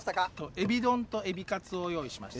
えび丼とエビカツを用意しました。